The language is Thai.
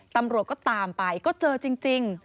ตำรวจก็ตามไปก็เจอจริง